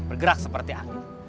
bergerak seperti angin